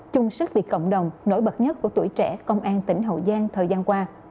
chung sức vì cộng đồng nổi bật nhất của tuổi trẻ công an tỉnh hậu giang thời gian qua